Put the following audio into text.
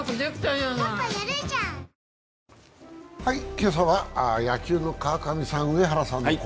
今朝は野球の川上さん、上原さんです。